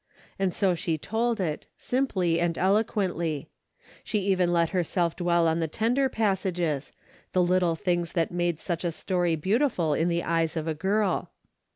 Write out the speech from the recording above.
And so she told it, simply and eloquently. She even let herself dwell on the tender passages, the little things that make such a story beautiful 294 A DAILY BATE:^ in the eyes of a girl.